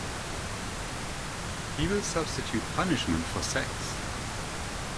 He will substitute punishment for sex.